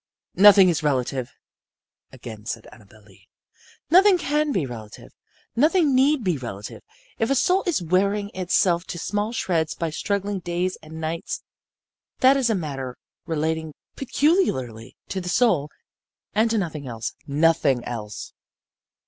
"Nothing is relative," again said Annabel Lee. "Nothing can be relative. Nothing need be relative. If a soul is wearing itself to small shreds by struggling days and nights, that is a matter relating peculiarly to the soul, and to nothing else, nothing else.